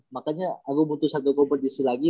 makanya aku butuh satu kompetisi lagi